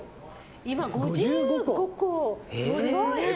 今、５５個。